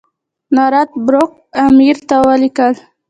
نارت بروک امیر ته ولیکل.